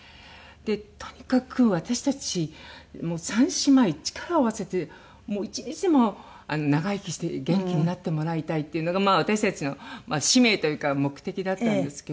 とにかく私たち３姉妹力を合わせて一日でも長生きして元気になってもらいたいっていうのが私たちの使命というか目的だったんですけど。